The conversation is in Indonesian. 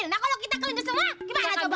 bisa kelinci semua gimana coba